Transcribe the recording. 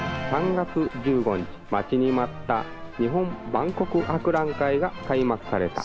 ３月１５日、待ちに待った日本万国博覧会が開幕された。